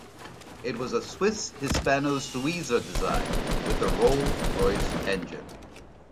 It was a Swiss Hispano-Suiza design, with a Rolls-Royce engine.